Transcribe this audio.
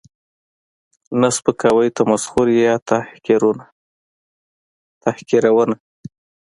، نه سپکاوی، تمسخر یا تحقیرونه